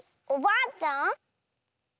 おばあちゃん？